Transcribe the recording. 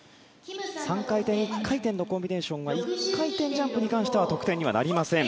３回転、１回転のコンビネーションは１回転ジャンプに関しては得点になりません。